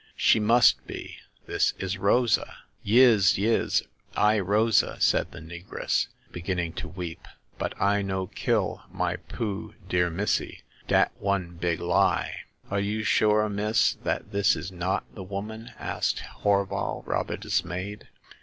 She must be ! This is Rosa !"Yis, yis ! I Rosa/' said the negress, begin ning to weep, but I no kill my poo* dear missy. Dat one big lie." Are you sure, miss, that this is not the woman ?" asked Horval, rather dismayed.